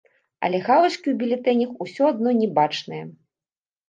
Але галачкі ў бюлетэнях усё адно не бачныя.